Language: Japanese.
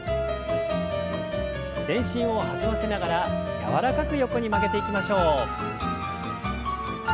全身を弾ませながら柔らかく横に曲げていきましょう。